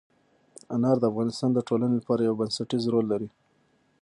انار د افغانستان د ټولنې لپاره یو بنسټيز رول لري.